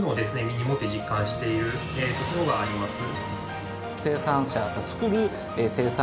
身に持って実感しているところがあります。